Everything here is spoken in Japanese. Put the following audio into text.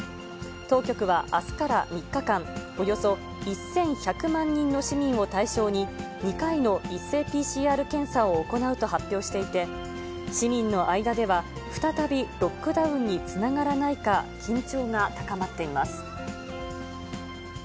当局はあすから３日間、およそ１１００万人の市民を対象に、２回の一斉ＰＣＲ検査を行うと発表していて、市民の間では再びロックダウンにつながらないか、緊張が高まっています。